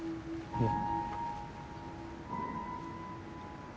うん。